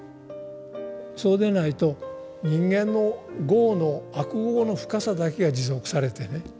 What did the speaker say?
そうでないと人間の業の悪業の深さだけが持続されてね